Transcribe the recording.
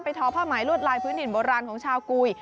ทอผ้าไหมลวดลายพื้นถิ่นโบราณของชาวกุย